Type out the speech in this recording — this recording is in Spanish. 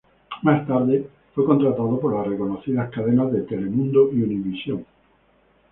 Más tarde fue contratado por las reconocidas cadenas de Telemundo y Univisión.